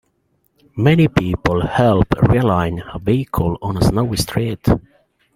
Many people help realign a vehicle on a snowy street.